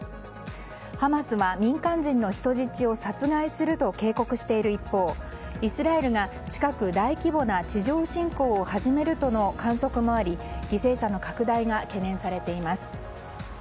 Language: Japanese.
ハマスは民間人の人質を殺害すると警告している一方イスラエルが近く大規模な地上侵攻を始めるとの観測もあり犠牲者の拡大が懸念されています。